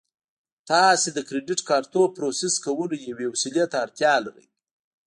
تاسو د کریډیټ کارتونو پروسس کولو یوې وسیلې ته اړتیا لرئ